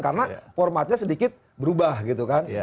karena formatnya sedikit berubah gitu kan